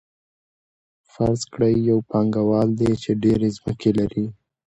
فرض کړئ یو پانګوال دی چې ډېرې ځمکې لري